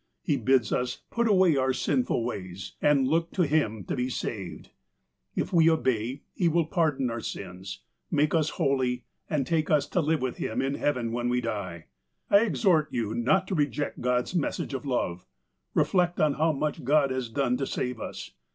He bids us put away our sinful ways, and look to Him to be saved. *' If we obey. He will pardon our sins, make us holy, and take us to live with Him in heaven when we die. " I exhort you not to reject God's message of love. Ee flect on how much God has done to save us.